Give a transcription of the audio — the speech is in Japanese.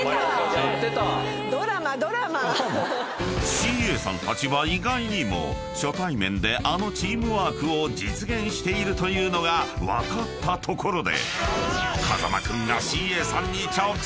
［ＣＡさんたちは意外にも初対面であのチームワークを実現しているというのが分かったところで］